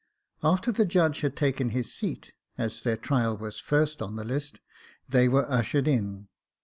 After the judge had taken his seat, as their trial was first on the list, they were ushered in.